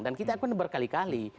dan kita akan berkali kali